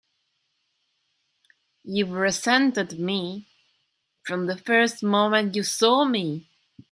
You've resented me from the first moment you saw me!